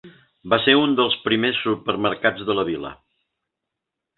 Va ser un dels primers supermercats de la vila.